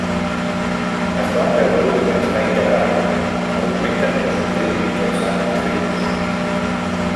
Es van veure obligats a integrar-la, argumenten que s'obté mitjançat els ritus.